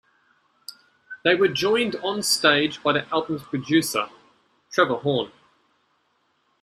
They were joined onstage by the album's producer Trevor Horn.